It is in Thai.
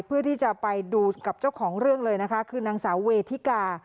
เพื่อที่จะไปดูกับเจ้าของเรื่องเลยนะคะคือนางสาวเวทิกา